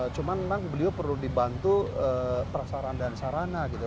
cuma memang beliau perlu dibantu prasarana dan sarana gitu